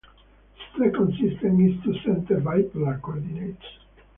The second system is two-center bipolar coordinates.